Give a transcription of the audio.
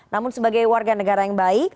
namun sebagai warga negara yang baik